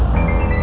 ibunya pak nino mas